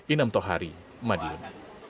inam tohari madiun